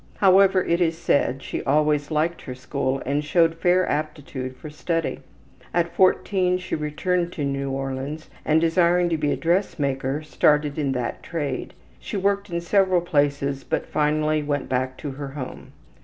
However, it is said she always liked her school and showed fair aptitude for study. At 14 she returned to New Orleans and, desiring to be a dressmaker, started in that trade. She worked in several places, but finally went back to her home.